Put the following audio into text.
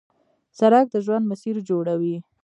سړک د ژوند مسیر جوړوي.